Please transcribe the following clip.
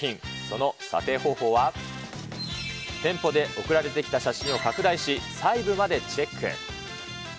その査定方法は、店舗で送られてきた写真を拡大し、細部までチェック。